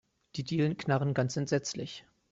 Die Dielen knarren ganz entsetzlich.